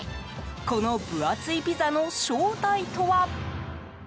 この分厚いピザの正体とは？